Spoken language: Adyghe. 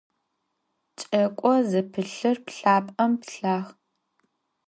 Ç'eko zepılhır pılhap'em pılhağ.